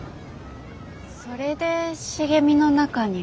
それで茂みの中に？